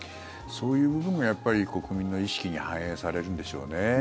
そういう部分がやっぱり国民の意識に反映されるんでしょうね。